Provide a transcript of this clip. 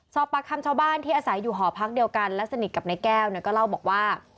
สอบปากคำชาวบ้านที่อาศัยอยู่หอพักเดียวกันและสนิทกับนายแก้วเนี่ยก็เล่าบอกว่า